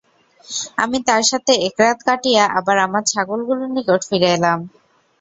আমি তার সাথে এক রাত কাটিয়ে আবার আমার ছাগলগুলোর নিকট ফিরে এলাম।